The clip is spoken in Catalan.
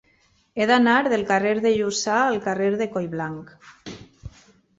He d'anar del carrer de Lluçà al carrer de Collblanc.